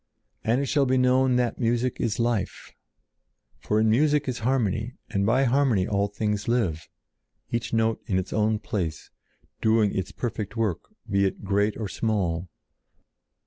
"And it shall be known that music is life, for in music is harmony, and by harmony all things live, each note in its own place, doing its perfect work, be it great or small.